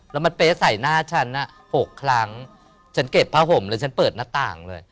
แล้วมันเป๊ะใส่หน้าฉัน๖ครั้งฉันเก็บผ้าห่มเลยฉันเปิดหน้าต่างเลย